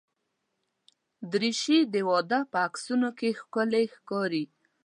دریشي د واده په عکسونو کې ښکلي ښکاري.